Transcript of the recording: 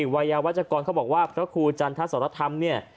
วัยยาวัชกรเขาบอกว่าพระครูจันทรธรรมเนี่ย